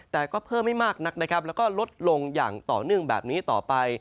แต่ก็เพิ่มไม่มากนักนะครับแล้วก็ลดลงอย่างต่อเนื่องแบบนี้ต่อไป